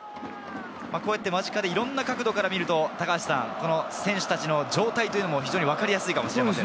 間近でいろいろな角度から見ると、選手たちの状態もわかりやすいかもしれません。